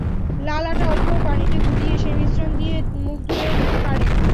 লাল আটা অল্প পানিতে গুলিয়ে সেই মিশ্রণ দিয়ে মুখ ধুয়ে নিতে পারেন।